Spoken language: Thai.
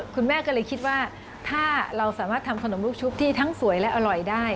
คุณแม่ก็เลยคิดว่าถ้าเราสามารถทำขนมลูกชุบที่ทั้งสวยและอร่อยได้